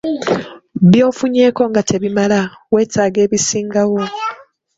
By'ofunyeeko nga tebimala, weetaaga ebisingawo.